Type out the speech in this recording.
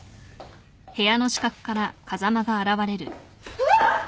うわっ！